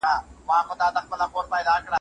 دا ننداره د زرګونو خلکو لخوا په مینه کتل شوې.